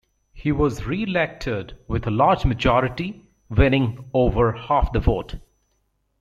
He was re-elected with a large majority, winning over half the vote.